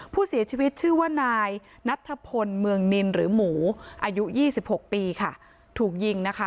ผู้เสียชีวิตชื่อว่านายนัทธพลเมืองนินหรือหมูอายุ๒๖ปีค่ะถูกยิงนะคะ